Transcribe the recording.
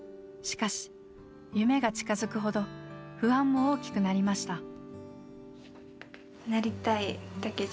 しかし夢が近づくほど不安も大きくなりました。